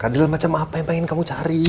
dalam macam apa yang pengen kamu cari